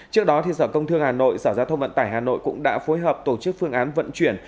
trước đó sở công thương hà nội sở giao thông vận tải hà nội cũng đã phối hợp tổ chức phương án vận chuyển